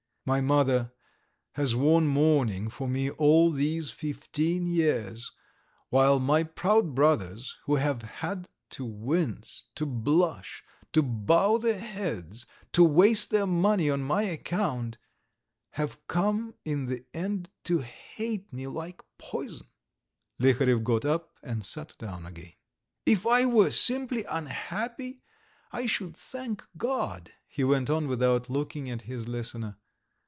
... My mother has worn mourning for me all these fifteen years, while my proud brothers, who have had to wince, to blush, to bow their heads, to waste their money on my account, have come in the end to hate me like poison." Liharev got up and sat down again. "If I were simply unhappy I should thank God," he went on without looking at his listener.